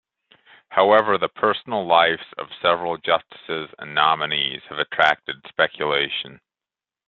However, the personal lives of several justices and nominees have attracted speculation.